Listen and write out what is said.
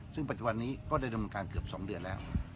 ซึ่งปัจจุบันนี้ก็ได้ดำเนินการเกือบ๒เดือนแล้ว